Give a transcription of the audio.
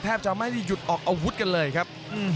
จะไม่ได้หยุดออกอาวุธกันเลยครับ